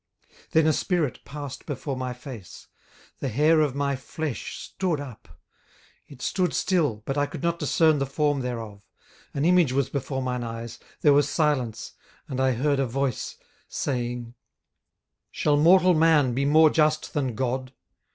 18:004:015 Then a spirit passed before my face; the hair of my flesh stood up: 18:004:016 It stood still, but I could not discern the form thereof: an image was before mine eyes, there was silence, and I heard a voice, saying, 18:004:017 Shall mortal man be more just than God?